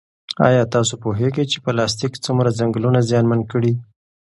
ایا تاسو پوهېږئ چې پلاستیک څومره ځنګلونه زیانمن کړي؟